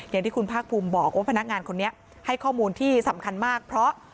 อย่างที่คุณภาคภูมิบอกว่าพนักงานคนนี้ให้ข้อมูลที่สำคัญมากเพราะ